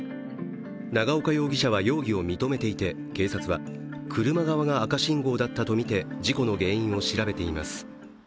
長岡容疑者は容疑を認めていて警察は車側が赤信号だったとみて事故の原因を調べています。